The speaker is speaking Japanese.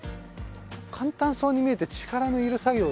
簡単そうに見えて力のいる作業ですからね。